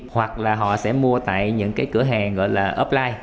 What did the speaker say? hoặc là họ sẽ mua tại những cái cửa hàng gọi là offline